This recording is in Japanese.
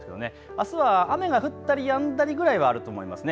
あすは雨が降ったりやんだりぐらいはあると思いますね。